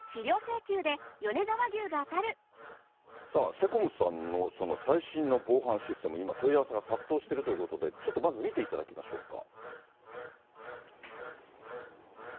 セコムさんの最新の防犯システム、今、問い合わせが殺到してるということで、ちょっとまず見ていただきましょうか。